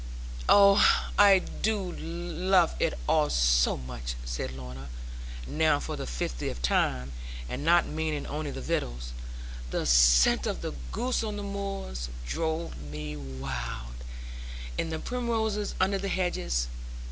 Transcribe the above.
'Oh, I do love it all so much,' said Lorna, now for the fiftieth time, and not meaning only the victuals: 'the scent of the gorse on the moors drove me wild, and the primroses under the hedges.